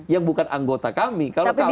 yang bukan anggota kami